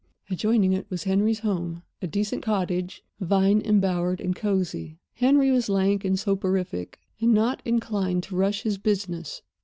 Adjoining it was Henry's home—a decent cottage, vine embowered and cosy. Henry was lank and soporific, and not inclined to rush his business.